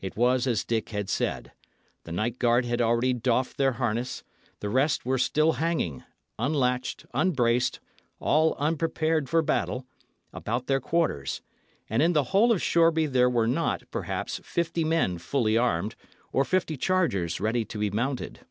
It was as Dick had said. The night guard had already doffed their harness; the rest were still hanging unlatched, unbraced, all unprepared for battle about their quarters; and in the whole of Shoreby there were not, perhaps, fifty men full armed, or fifty chargers ready to be mounted.